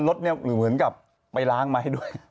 รถเหมือนกับไปล้างไม้ด้วย